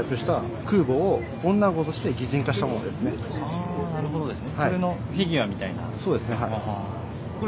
あなるほどですね。